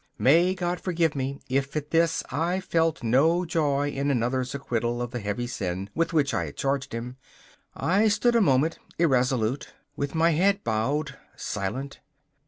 May God forgive me if at this I felt no joy in another's acquittal of the heavy sin with which I had charged him. I stood a moment irresolute, with my head bowed, silent.